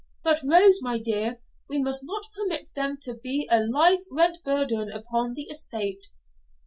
But, Rose, my dear, we must not permit them to be a life rent burden upon the estate.'